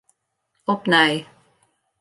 Opnij.